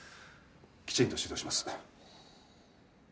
きちんと指導します。